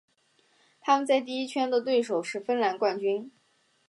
他们在第一圈的对手是芬兰冠军。